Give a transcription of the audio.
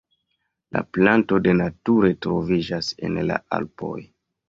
La planto de nature troviĝas en la Alpoj.